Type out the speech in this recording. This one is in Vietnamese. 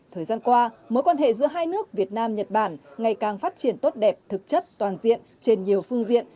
thời gian qua mối quan hệ giữa hai nước việt nam nhật bản ngày càng phát triển tốt đẹp thực chất toàn diện trên nhiều phương diện